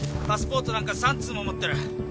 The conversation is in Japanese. パスポートなんか３通も持ってる。